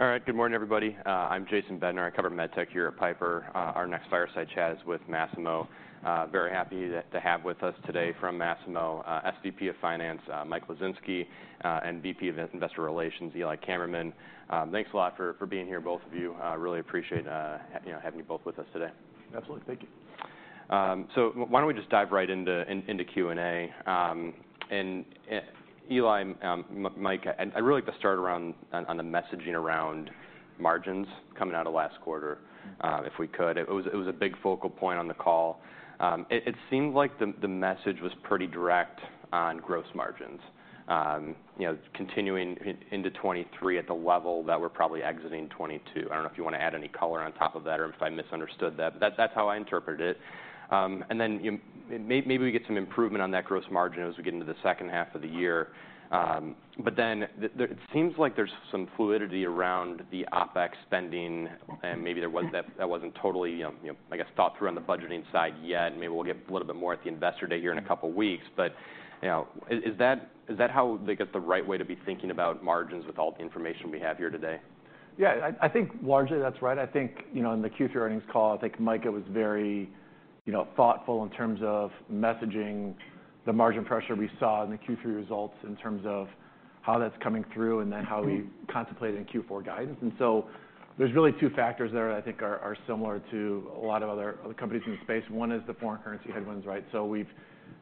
All right. Good morning, everybody. I'm Jason Bednar. I cover MedTech here at Piper. Our next fireside chat is with Masimo. Very happy to have with us today from Masimo, SVP of Finance, Mike Young, and VP of Investor Relations, Eli Kammerman. Thanks a lot for being here, both of you. Really appreciate, you know, having you both with us today. Absolutely. Thank you. So why don't we just dive right into Q&A? And, Eli, Mike, I really like to start around on the messaging around margins coming out of last quarter, if we could. It was a big focal point on the call. It seemed like the message was pretty direct on gross margins, you know, continuing into 2023 at the level that we're probably exiting 2022. I don't know if you wanna add any color on top of that or if I misunderstood that, but that's how I interpreted it. And then, you know, maybe we get some improvement on that gross margin as we get into the second half of the year. but then there it seems like there's some fluidity around the OPEX spending, and maybe there was that that wasn't totally, you know, I guess, thought through on the budgeting side yet. Maybe we'll get a little bit more at the Investor Day here in a couple weeks. But, you know, is that how, I guess, the right way to be thinking about margins with all the information we have here today? Yeah. I think largely that's right. I think, you know, in the Q3 earnings call, I think Mike was very, you know, thoughtful in terms of messaging the margin pressure we saw in the Q3 results in terms of how that's coming through and then how we contemplate it in Q4 guidance. And so there's really two factors there that I think are similar to a lot of other companies in the space. One is the foreign currency headwinds, right? So we've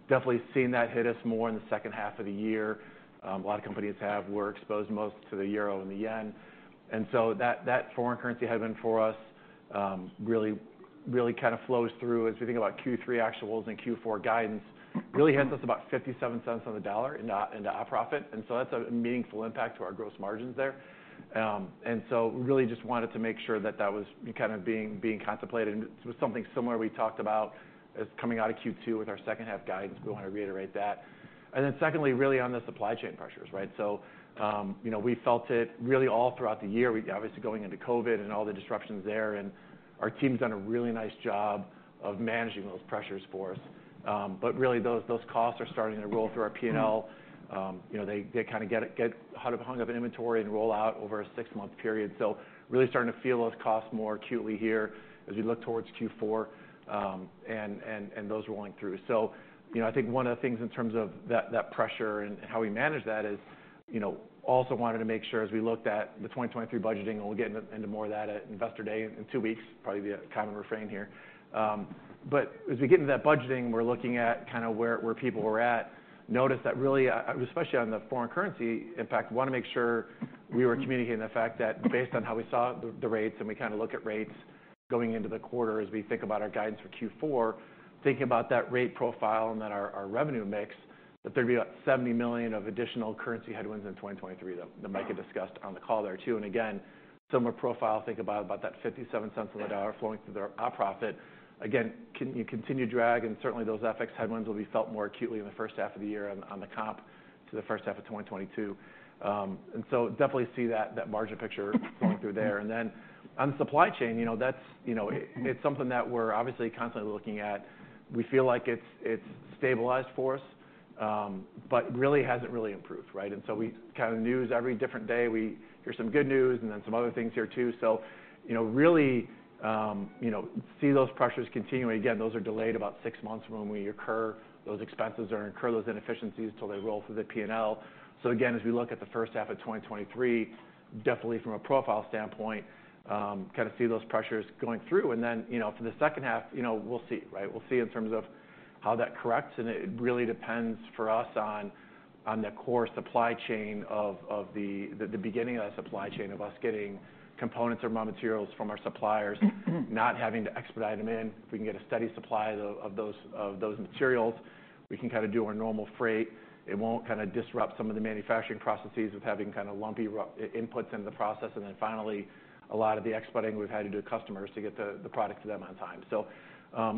definitely seen that hit us more in the second half of the year. A lot of companies were exposed most to the euro and the yen. And so that foreign currency headwind for us really kinda flows through as we think about Q3 actuals and Q4 guidance, really hits us about $0.57 into our profit. And so that's a meaningful impact to our gross margins there. And so we really just wanted to make sure that that was kind of being contemplated. And it was something similar we talked about as coming out of Q2 with our second half guidance. We wanna reiterate that. And then secondly, really on the supply chain pressures, right? So, you know, we felt it really all throughout the year. We obviously going into COVID and all the disruptions there. And our team's done a really nice job of managing those pressures for us. But really those costs are starting to roll through our P&L. You know, they kinda get hung up in inventory and roll out over a six-month period. So really starting to feel those costs more acutely here as we look towards Q4, and those rolling through. So, you know, I think one of the things in terms of that pressure and how we manage that is, you know, also wanted to make sure as we looked at the 2023 budgeting, and we'll get into more of that at Investor Day in two weeks. Probably be a common refrain here. But as we get into that budgeting, we're looking at kinda where people were at. Notice that really, especially on the foreign currency impact, wanna make sure we were communicating the fact that based on how we saw the rates and we kinda look at rates going into the quarter as we think about our guidance for Q4, thinking about that rate profile and then our revenue mix, that there'd be about $70 million of additional currency headwinds in 2023 that Mike had discussed on the call there too. And again, similar profile. Think about that 57 cents on the dollar flowing through their OPEX. Again, can you continue drag? And certainly those FX headwinds will be felt more acutely in the first half of the year on the comp to the first half of 2022. And so definitely see that margin picture flowing through there. And then on the supply chain, you know, that's, you know, it's something that we're obviously constantly looking at. We feel like it's stabilized for us, but really hasn't improved, right? And so we kind of hear news every different day we hear some good news and then some other things here too. So, you know, really, you know, see those pressures continuing. Again, those are delayed about six months when we incur those expenses or those inefficiencies till they roll through the P&L. So again, as we look at the first half of 2023, definitely from a profile standpoint, kinda see those pressures going through. And then, you know, for the second half, you know, we'll see, right? We'll see in terms of how that corrects. And it really depends for us on the core supply chain, the beginning of that supply chain of us getting components or raw materials from our suppliers, not having to expedite them in. If we can get a steady supply of those materials, we can kinda do our normal freight. It won't kinda disrupt some of the manufacturing processes with having kinda lumpy inputs in the process. And then finally, a lot of the expediting we've had to do to customers to get the product to them on time. So,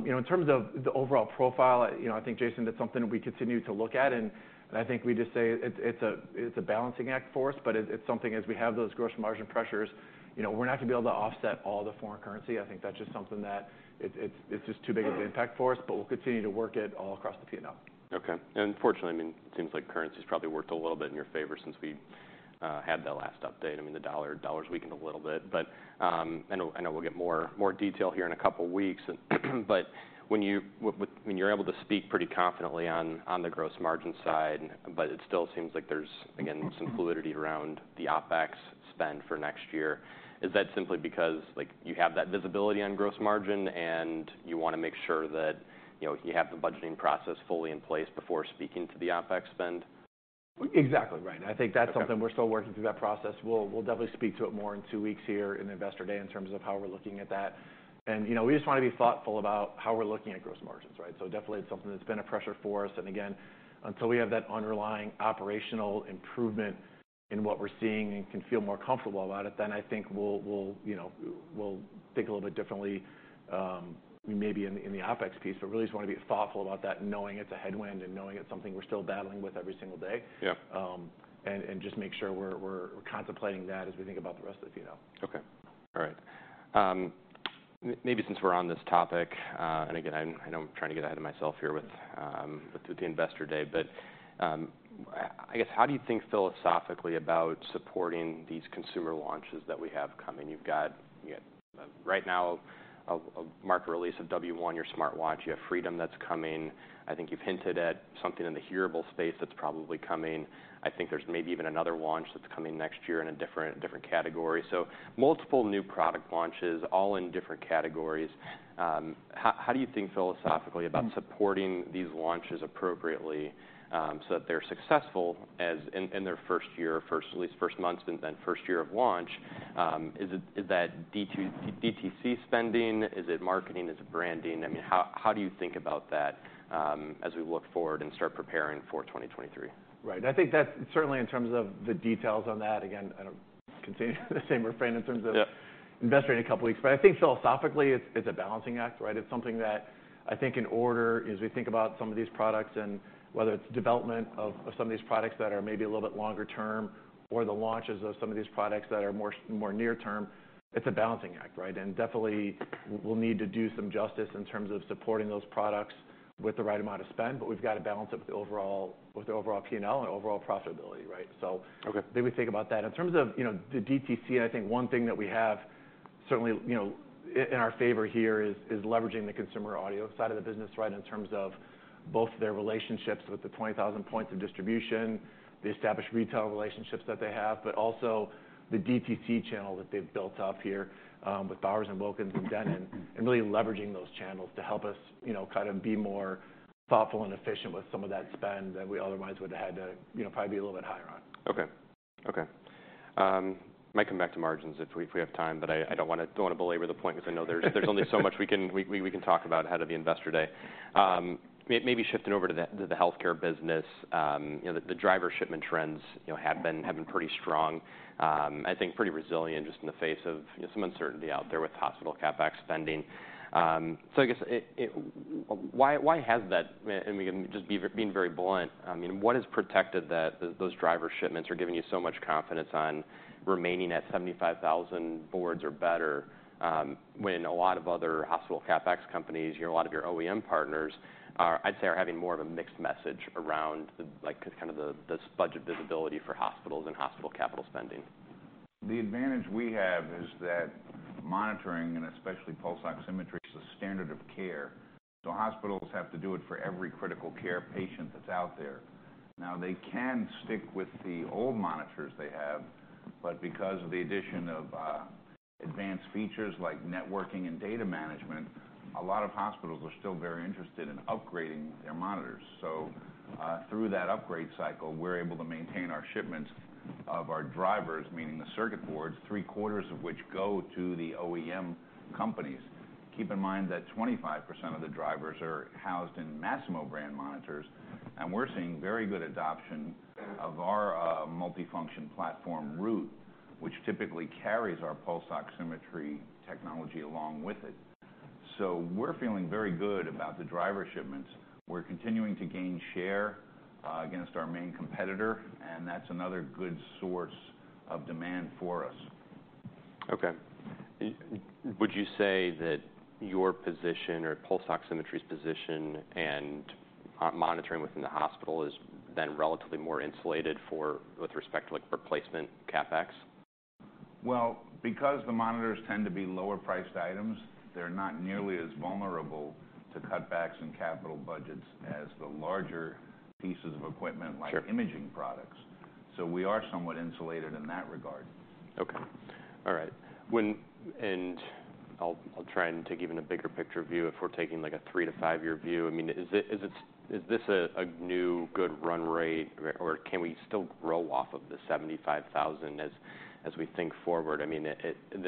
you know, in terms of the overall profile, I think Jason, that's something we continue to look at. And I think we just say it's a balancing act for us, but it's something as we have those gross margin pressures, you know, we're not gonna be able to offset all the foreign currency. I think that's just something that it's just too big of an impact for us, but we'll continue to work it all across the P&L. Okay. And fortunately, I mean, it seems like currency's probably worked a little bit in your favor since we had that last update. I mean, the dollar's weakened a little bit. But I know we'll get more detail here in a couple weeks. But when you, I mean, you're able to speak pretty confidently on the gross margin side, but it still seems like there's again some fluidity around the OPEX spend for next year. Is that simply because, like, you have that visibility on gross margin and you wanna make sure that you know you have the budgeting process fully in place before speaking to the OPEX spend? Exactly right. I think that's something we're still working through that process. We'll, we'll definitely speak to it more in two weeks here in Investor Day in terms of how we're looking at that. And, you know, we just wanna be thoughtful about how we're looking at gross margins, right? So definitely it's something that's been a pressure for us. And again, until we have that underlying operational improvement in what we're seeing and can feel more comfortable about it, then I think we'll, we'll, you know, we'll think a little bit differently, maybe in, in the OPEX piece. But really just wanna be thoughtful about that, knowing it's a headwind and knowing it's something we're still battling with every single day. Yeah. and just make sure we're contemplating that as we think about the rest of the P&L. Okay. All right. Maybe since we're on this topic, and again, I know I'm trying to get ahead of myself here with the Investor Day, but I guess, how do you think philosophically about supporting these consumer launches that we have coming? You've got right now a market release of W1, your smartwatch. You have Freedom that's coming. I think you've hinted at something in the hearables space that's probably coming. I think there's maybe even another launch that's coming next year in a different category. So multiple new product launches all in different categories. How do you think philosophically about supporting these launches appropriately, so that they're successful as in their first year, at least first months, and then first year of launch? Is it DTC spending? Is it marketing? Is it branding? I mean, how do you think about that, as we look forward and start preparing for 2023? Right. I think that's certainly in terms of the details on that. Again, I don't continue the same refrain in terms of. Yeah. Investor in a couple weeks. But I think philosophically it's a balancing act, right? It's something that I think in order, as we think about some of these products and whether it's development of some of these products that are maybe a little bit longer term or the launches of some of these products that are more near term, it's a balancing act, right? And definitely we'll need to do some justice in terms of supporting those products with the right amount of spend, but we've gotta balance it with the overall P&L and overall profitability, right? So. Okay. Maybe think about that. In terms of, you know, the DTC, I think one thing that we have certainly, you know, in our favor here is leveraging the consumer audio side of the business, right, in terms of both their relationships with the 20,000 points of distribution, the established retail relationships that they have, but also the DTC channel that they've built up here, with Bowers & Wilkins and Denon, and really leveraging those channels to help us, you know, kind of be more thoughtful and efficient with some of that spend that we otherwise would've had to, you know, probably be a little bit higher on. Okay, we might come back to margins if we have time, but I don't wanna belabor the point 'cause I know there's only so much we can talk about ahead of the Investor Day. Maybe shifting over to the healthcare business, you know, the driver shipment trends, you know, have been pretty strong. I think pretty resilient just in the face of, you know, some uncertainty out there with hospital CapEx spending. So why has that, and we can just be very blunt, I mean, what has protected that? Those driver shipments are giving you so much confidence on remaining at 75,000 boards or better, when a lot of other hospital CapEx companies, you know, a lot of your OEM partners, I'd say are having more of a mixed message around the, like, kind of the budget visibility for hospitals and hospital capital spending? The advantage we have is that monitoring, and especially pulse oximetry, is a standard of care. So hospitals have to do it for every critical care patient that's out there. Now, they can stick with the old monitors they have, but because of the addition of, advanced features like networking and data management, a lot of hospitals are still very interested in upgrading their monitors. So, through that upgrade cycle, we're able to maintain our shipments of our drivers, meaning the circuit boards, three-quarters of which go to the OEM companies. Keep in mind that 25% of the drivers are housed in Masimo brand monitors, and we're seeing very good adoption of our, multifunction platform Root, which typically carries our pulse oximetry technology along with it. So we're feeling very good about the driver shipments. We're continuing to gain share, against our main competitor, and that's another good source of demand for us. Okay. Would you say that your position or pulse oximetry's position and monitoring within the hospital is then relatively more insulated for with respect to, like, replacement CapEx? Because the monitors tend to be lower-priced items, they're not nearly as vulnerable to cutbacks in capital budgets as the larger pieces of equipment like. Sure. Imaging products. So we are somewhat insulated in that regard. Okay. All right. And I'll try and take even a bigger picture view if we're taking like a three- to five-year view. I mean, is this a new good run rate or can we still grow off of the 75,000 as we think forward? I mean,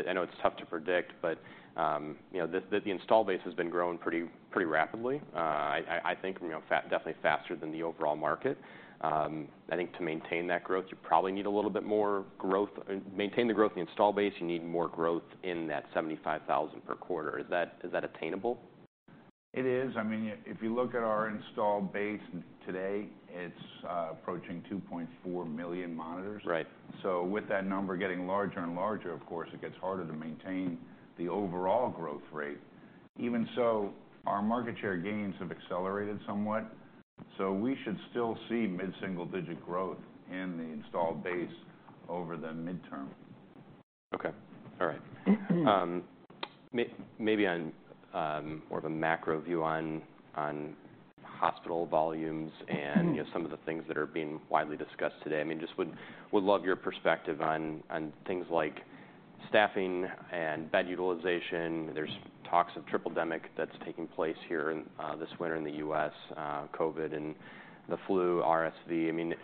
I know it's tough to predict, but you know, the install base has been growing pretty rapidly. I think, you know, definitely faster than the overall market. I think to maintain that growth, you probably need a little bit more growth. To maintain the growth in the install base, you need more growth in that 75,000 per quarter. Is that attainable? It is. I mean, if you look at our installed base today, it's approaching 2.4 million monitors. Right. So with that number getting larger and larger, of course, it gets harder to maintain the overall growth rate. Even so, our market share gains have accelerated somewhat. So we should still see mid-single-digit growth in the install base over the midterm. Okay. All right. Maybe on more of a macro view on hospital volumes and, you know, some of the things that are being widely discussed today. I mean, just would love your perspective on things like staffing and bed utilization. There's talks of tripledemic that's taking place here, this winter in the U.S., COVID and the flu, RSV. I mean,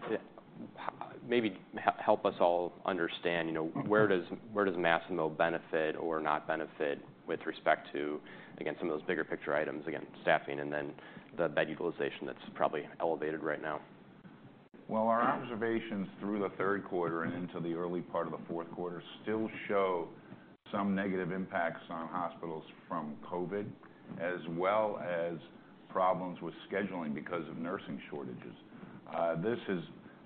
maybe help us all understand, you know, where does Masimo benefit or not benefit with respect to, again, some of those bigger picture items, again, staffing and then the bed utilization that's probably elevated right now? Our observations through the third quarter and into the early part of the fourth quarter still show some negative impacts on hospitals from COVID as well as problems with scheduling because of nursing shortages. This has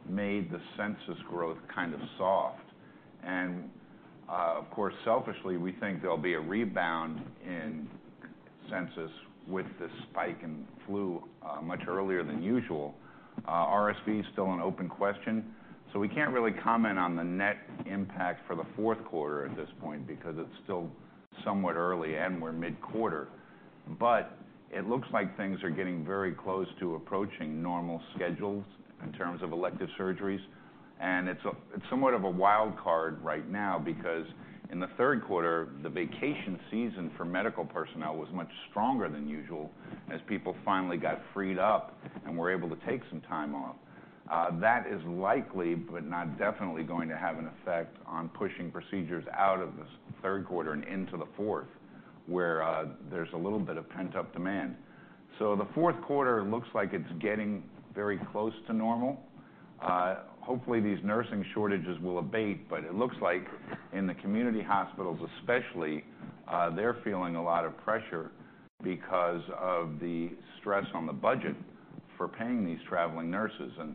made the census growth kind of soft, and of course, selfishly, we think there'll be a rebound in census with the spike in flu, much earlier than usual. RSV's still an open question, so we can't really comment on the net impact for the fourth quarter at this point because it's still somewhat early and we're mid-quarter, but it looks like things are getting very close to approaching normal schedules in terms of elective surgeries. It's somewhat of a wild card right now because in the third quarter, the vacation season for medical personnel was much stronger than usual as people finally got freed up and were able to take some time off. That is likely, but not definitely going to have an effect on pushing procedures out of the third quarter and into the fourth, where there's a little bit of pent-up demand, so the fourth quarter looks like it's getting very close to normal. Hopefully these nursing shortages will abate, but it looks like in the community hospitals especially, they're feeling a lot of pressure because of the stress on the budget for paying these traveling nurses, and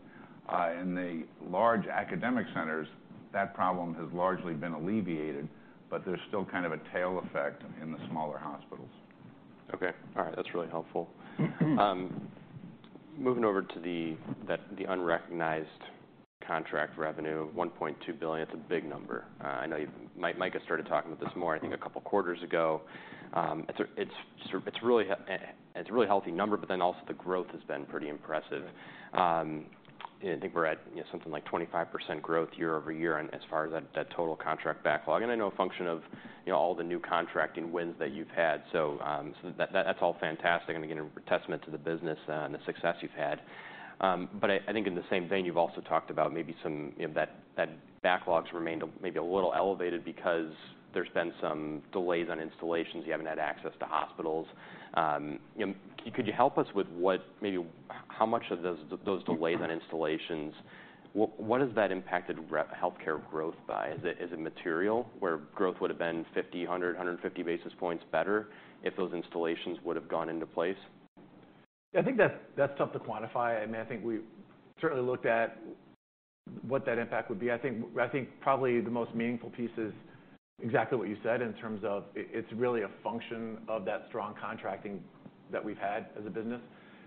in the large academic centers, that problem has largely been alleviated, but there's still kind of a tail effect in the smaller hospitals. Okay. All right. That's really helpful. Moving over to the unrecognized contract revenue, $1.2 billion, it's a big number. I know you've Masimo started talking about this more, I think, a couple quarters ago. It's a really healthy number, but then also the growth has been pretty impressive. I think we're at, you know, something like 25% growth year over year on as far as that total contract backlog. And I know a function of, you know, all the new contracting wins that you've had. So, that, that's all fantastic and again, a testament to the business, and the success you've had. But I think in the same vein, you've also talked about maybe some, you know, that backlogs remained maybe a little elevated because there's been some delays on installations. You haven't had access to hospitals, you know. Could you help us with what, maybe how much of those delays on installations, what has that impacted re healthcare growth by? Is it material where growth would've been 50, 100, 150 basis points better if those installations would've gone into place? I think that's tough to quantify. I mean, I think we certainly looked at what that impact would be. I think probably the most meaningful piece is exactly what you said in terms of it's really a function of that strong contracting that we've had as a business.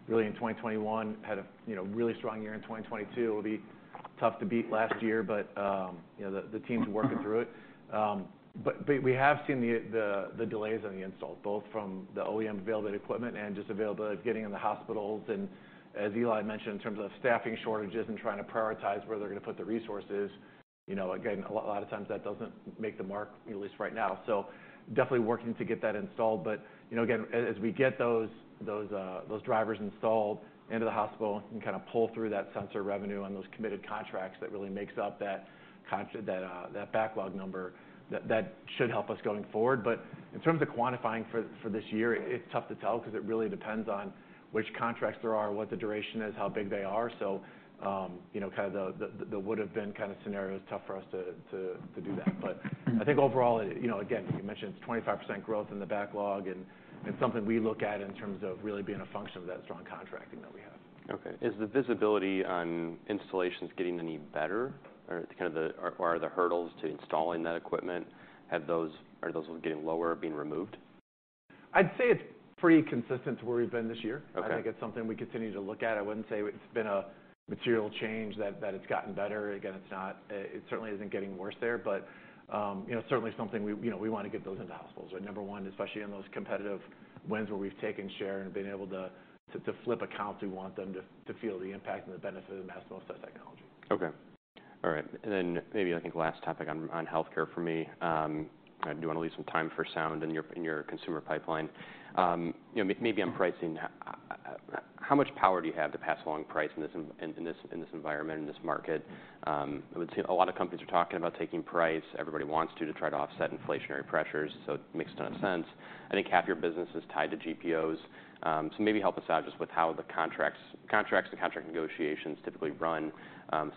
Really in 2021, had a, you know, really strong year in 2022. It'll be tough to beat last year, but, you know, the team's working through it. But we have seen the delays on the install, both from the OEM available equipment and just availability of getting in the hospitals. And as Eli mentioned, in terms of staffing shortages and trying to prioritize where they're gonna put the resources, you know, again, a lot of times that doesn't make the mark, at least right now. So definitely working to get that installed. But you know, again, as we get those drivers installed into the hospital and kind of pull through that sensor revenue on those committed contracts that really makes up that contract that backlog number that should help us going forward. But in terms of quantifying for this year, it's tough to tell 'cause it really depends on which contracts there are, what the duration is, how big they are. So you know, kind of the would've been kind of scenario is tough for us to do that. But I think overall, you know, again, you mentioned it's 25% growth in the backlog and something we look at in terms of really being a function of that strong contracting that we have. Okay. Is the visibility on installations getting any better, or are the hurdles to installing that equipment getting lower, being removed? I'd say it's pretty consistent to where we've been this year. Okay. I think it's something we continue to look at. I wouldn't say it's been a material change that it's gotten better. Again, it's not. It certainly isn't getting worse there, but you know, certainly something we, you know, we wanna get those into hospitals, right? Number one, especially in those competitive wins where we've taken share and been able to to flip accounts. We want them to feel the impact and the benefit of Masimo's technology. Okay. All right. And then maybe I think last topic on healthcare for me. I do wanna leave some time for sound in your consumer pipeline. You know, maybe on pricing, how much power do you have to pass along price in this environment, in this market? I would say a lot of companies are talking about taking price. Everybody wants to try to offset inflationary pressures. So it makes a ton of sense. I think half your business is tied to GPOs. So maybe help us out just with how the contracts and contract negotiations typically run,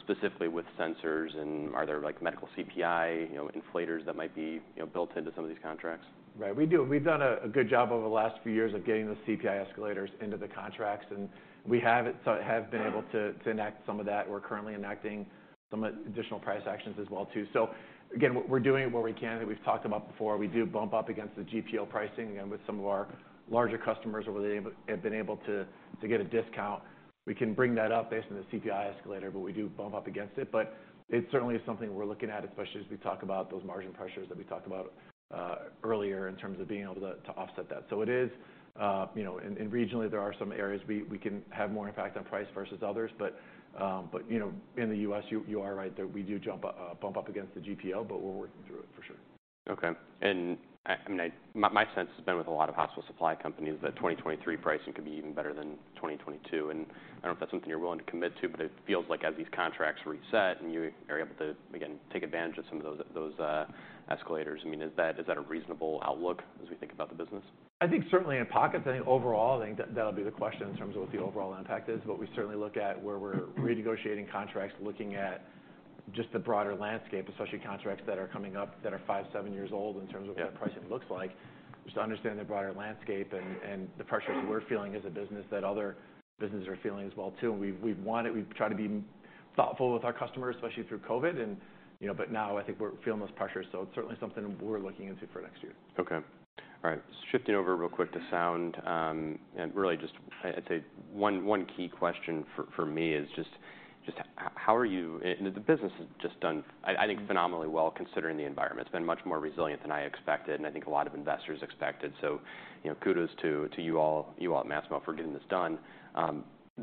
specifically with sensors and are there like medical CPI, you know, inflators that might be, you know, built into some of these contracts? Right. We do. We've done a good job over the last few years of getting the CPI escalators into the contracts. And we have it, so have been able to enact some of that. We're currently enacting some additional price actions as well too. So again, we're doing it where we can. We've talked about before. We do bump up against the GPO pricing again with some of our larger customers where they have been able to get a discount. We can bring that up based on the CPI escalator, but we do bump up against it. But it certainly is something we're looking at, especially as we talk about those margin pressures that we talked about earlier in terms of being able to offset that. So it is, you know, and regionally there are some areas we can have more impact on price versus others. But you know, in the US, you are right that we do jump up, bump up against the GPO, but we're working through it for sure. Okay. I mean, my sense has been with a lot of hospital supply companies that 2023 pricing could be even better than 2022. And I don't know if that's something you're willing to commit to, but it feels like as these contracts reset and you are able to, again, take advantage of some of those escalators. I mean, is that a reasonable outlook as we think about the business? I think certainly in pockets. I think overall, I think that, that'll be the question in terms of what the overall impact is, but we certainly look at where we're renegotiating contracts, looking at just the broader landscape, especially contracts that are coming up that are five, seven years old in terms of what the pricing looks like. Just to understand the broader landscape and, and the pressures we're feeling as a business that other businesses are feeling as well too, and we've, we've wanted, we've tried to be thoughtful with our customers, especially through COVID and, you know, but now I think we're feeling those pressures, so it's certainly something we're looking into for next year. Okay. All right. Shifting over real quick to sound, and really just, I'd say one key question for me is just how are you? And the business has just done, I think phenomenally well considering the environment. It's been much more resilient than I expected, and I think a lot of investors expected. So, you know, kudos to you all at Masimo for getting this done.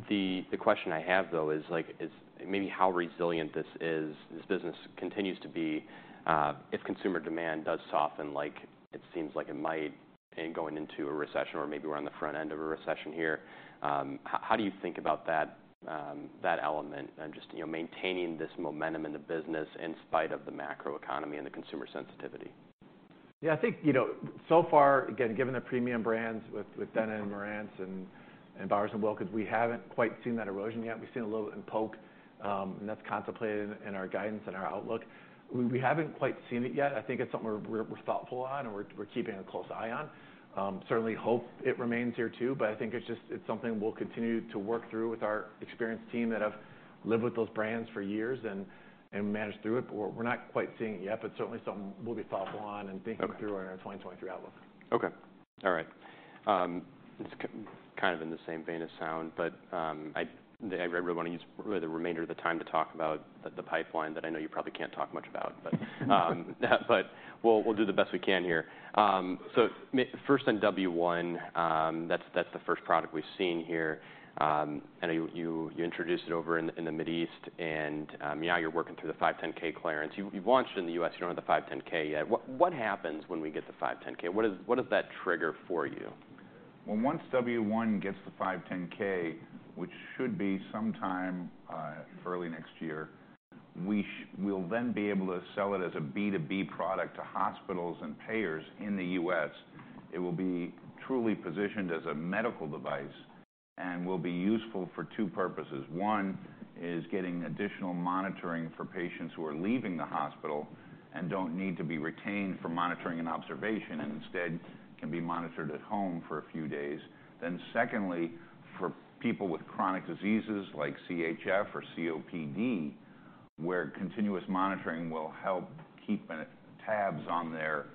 The question I have though is like, maybe how resilient this business continues to be, if consumer demand does soften, like it seems like it might be going into a recession or maybe we're on the front end of a recession here. How do you think about that element and just, you know, maintaining this momentum in the business in spite of the macro economy and the consumer sensitivity? Yeah. I think, you know, so far, again, given the premium brands with Denon and Marantz and Bowers & Wilkins, we haven't quite seen that erosion yet. We've seen a little in Polk, and that's contemplated in our guidance and our outlook. We haven't quite seen it yet. I think it's something we're thoughtful on and we're keeping a close eye on. Certainly hope it remains here too, but I think it's just something we'll continue to work through with our experienced team that have lived with those brands for years and managed through it. But we're not quite seeing it yet, but certainly something we'll be thoughtful on and thinking through in our 2023 outlook. Okay. All right. It's kind of in the same vein as sound, but I really wanna use really the remainder of the time to talk about the pipeline that I know you probably can't talk much about, but we'll do the best we can here. So first on W1, that's the first product we've seen here. I know you introduced it over in the Middle East, and now you're working through the 510(k) clearance. You've launched in the U.S., you don't have the 510(k) yet. What happens when we get the 510(k)? What does that trigger for you? Once W1 gets the 510(k), which should be sometime early next year, we'll then be able to sell it as a B2B product to hospitals and payers in the US. It will be truly positioned as a medical device and will be useful for two purposes. One is getting additional monitoring for patients who are leaving the hospital and don't need to be retained for monitoring and observation and instead can be monitored at home for a few days, then secondly, for people with chronic diseases like CHF or COPD, where continuous monitoring will help keep tabs on their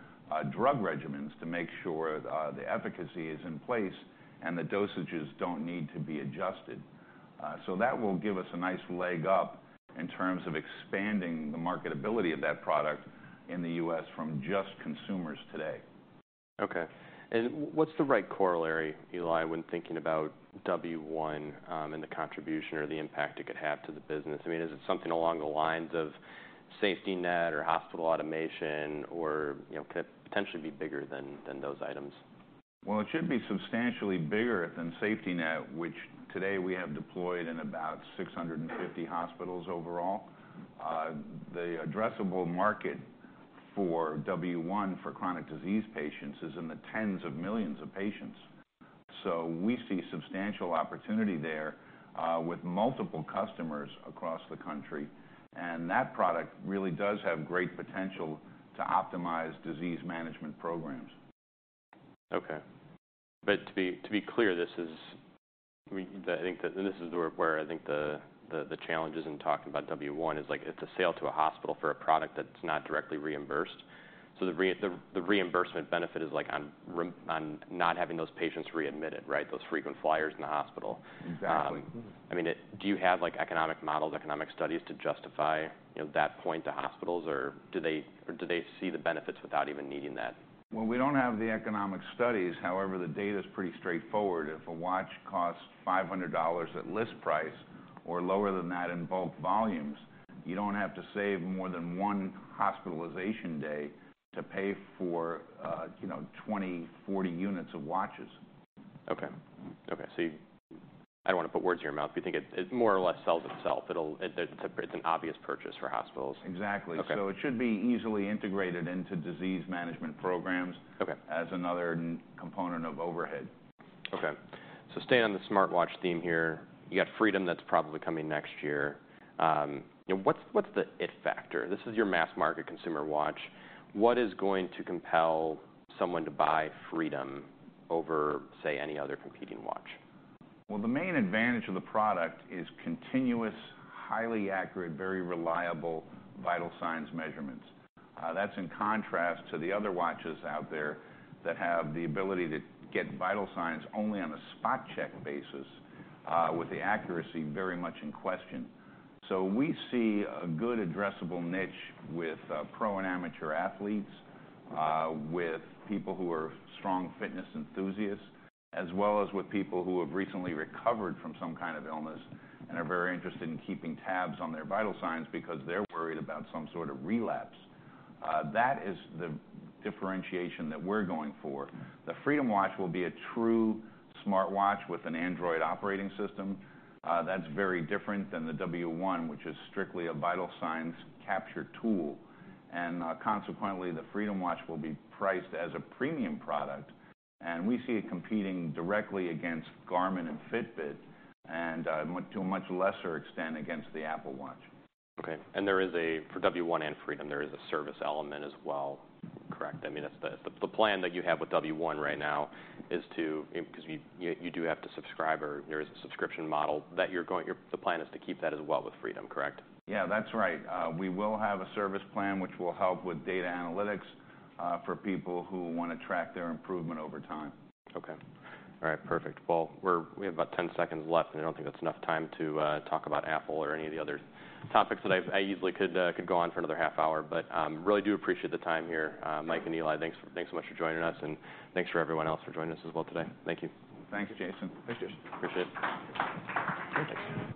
drug regimens to make sure the efficacy is in place and the dosages don't need to be adjusted, so that will give us a nice leg up in terms of expanding the marketability of that product in the US from just consumers today. Okay. And what's the right corollary, Eli, when thinking about W1, and the contribution or the impact it could have to the business? I mean, is it something along the lines of safety net or hospital automation or, you know, could it potentially be bigger than, than those items? It should be substantially bigger than SafetyNet, which today we have deployed in about 650 hospitals overall. The addressable market for W1 for chronic disease patients is in the tens of millions of patients. We see substantial opportunity there, with multiple customers across the country. That product really does have great potential to optimize disease management programs. Okay. But to be clear, this is, I mean, I think that, and this is where I think the challenge is in talking about W1 is like it's a sale to a hospital for a product that's not directly reimbursed. So the reimbursement benefit is like on not having those patients readmitted, right? Those frequent flyers in the hospital. Exactly. I mean, do you have like economic models, economic studies to justify, you know, that point to hospitals or do they, or do they see the benefits without even needing that? We don't have the economic studies. However, the data's pretty straightforward. If a watch costs $500 at list price or lower than that in bulk volumes, you don't have to save more than one hospitalization day to pay for, you know, 20-40 units of watches. Okay. So you, I don't wanna put words in your mouth, but you think it more or less sells itself. It's an obvious purchase for hospitals. Exactly. Okay. It should be easily integrated into disease management programs. Okay. As another component of overhead. Okay, so staying on the smartwatch theme here, you got Freedom that's probably coming next year. You know, what's the it factor? This is your mass market consumer watch. What is going to compel someone to buy Freedom over, say, any other competing watch? The main advantage of the product is continuous, highly accurate, very reliable vital signs measurements. That's in contrast to the other watches out there that have the ability to get vital signs only on a spot check basis, with the accuracy very much in question. We see a good addressable niche with pro and amateur athletes, with people who are strong fitness enthusiasts, as well as with people who have recently recovered from some kind of illness and are very interested in keeping tabs on their vital signs because they're worried about some sort of relapse. That is the differentiation that we're going for. The Freedom watch will be a true smartwatch with an Android operating system. That's very different than the W1, which is strictly a vital signs capture tool. Consequently, the Freedom watch will be priced as a premium product. We see it competing directly against Garmin and Fitbit and, to a much lesser extent, against the Apple Watch. Okay. And there is a service element for W1 and Freedom as well, correct? I mean, it's the plan that you have with W1 right now is to, because you do have to subscribe or there is a subscription model that you're going, the plan is to keep that as well with Freedom, correct? Yeah. That's right. We will have a service plan which will help with data analytics, for people who wanna track their improvement over time. Okay. All right. Perfect. Well, we have about 10 seconds left and I don't think that's enough time to talk about Apple or any of the other topics that I usually could go on for another half hour. But really do appreciate the time here. Mike and Eli, thanks so much for joining us and thanks for everyone else for joining us as well today. Thank you. Thanks, Jason. Thanks, Jason. Appreciate it. Thanks.